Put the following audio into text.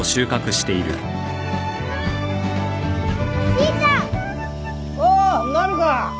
じいちゃん！おうなるか。